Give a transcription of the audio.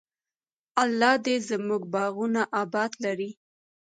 الله دې زموږ باغونه اباد لري.